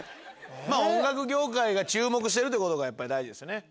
音楽業界が注目してるってことが大事ですよね。